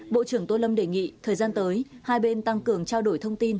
bộ trưởng tô lâm đề nghị thời gian tới hai bên tăng cường trao đổi thông tin